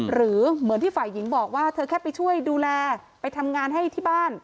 หรือเหมือนที่ฝ่ายหญิงบอกว่าเธอแค่ไปช่วยดูแลไปทำงานให้ที่บ้าน